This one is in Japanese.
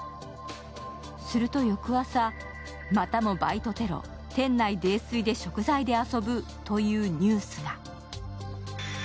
すると翌朝、またもバイトテロ・店内泥酔で食材で遊ぶというニュースが。